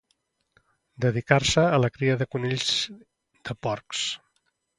Dedicar-se a la cria de conills, de porcs.